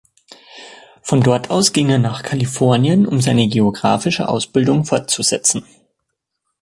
Von dort aus ging er nach Kalifornien, um seine geographische Ausbildung fortzusetzen.